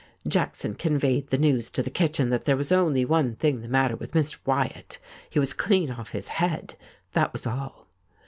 Jackson conveyed the news to the kitchen that there was only one thing the matter with Mr. Wyatt — he was clean off his head, thatwas all.